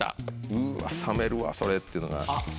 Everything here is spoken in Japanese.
うわ冷めるわそれっていうのが。